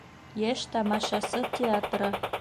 Йәш тамашасы театры